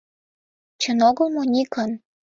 Чын огыл мо, Никон?